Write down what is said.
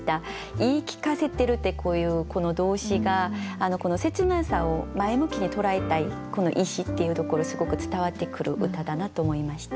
言い聞かせてるってこういうこの動詞が切なさを前向きに捉えたいこの意思っていうところすごく伝わってくる歌だなと思いました。